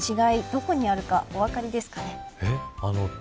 どこにあるかお分かりですかね。